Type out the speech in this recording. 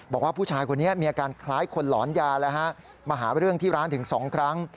บอกว่าผู้ชายคนนี้มีอาการคล้ายคนหลอนยาแล้วฮะมาหาเรื่องที่ร้านถึง๒ครั้ง